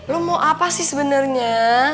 lo mau apa sih sebenarnya